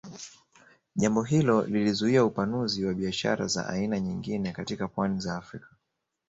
Jambo hilo lilizuia upanuzi wa biashara za aina nyingine katika pwani za Afrika